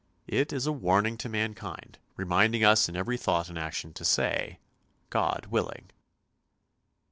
It is a warning to mankind, reminding us in every thought and action to say " God willing!